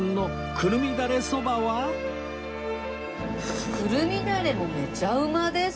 胡桃だれもめちゃうまです。